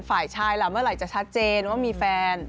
ฝ่ายชายล่ะเมื่อไหร่จะชัดเจนว่ามีแฟน